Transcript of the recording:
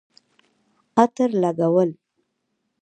عطر لګول